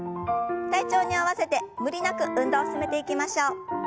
体調に合わせて無理なく運動を進めていきましょう。